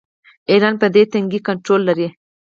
ایران پر دې تنګي کنټرول لري.